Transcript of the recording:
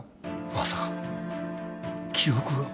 まさか記憶が。